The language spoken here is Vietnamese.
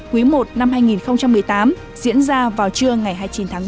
quý i năm hai nghìn một mươi tám diễn ra vào trưa ngày hai mươi chín tháng sáu